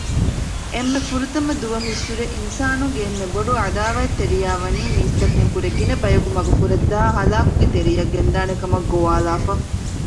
އެންމެ ފުރަތަމަ ދުވަހުއްސުރެ އިންސާނުންގެ އެންމެބޮޑު ޢަދާވާތްތެރިޔާވަނީ މީސްތަކުންކުރެ ގިނަބަޔަކު މަގުފުރައްދައި ހަލާކުގެތެރެއަށް ގެންދާނެކަމަށް ގޮވާލައިފަ